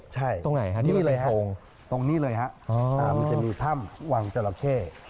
ใช่ตรงนี้เลยครับมันจะมีถ้ำวังเจราะเข้